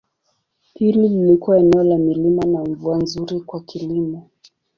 Hili lilikuwa eneo la milima na mvua nzuri kwa kilimo.